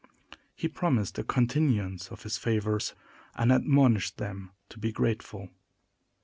He promised a continuance of his favors, and admonished them to be grateful.